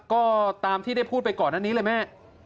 ก็ตามที่ได้พูดไปก่อนอันนี้เลยแม่